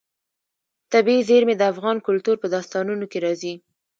طبیعي زیرمې د افغان کلتور په داستانونو کې راځي.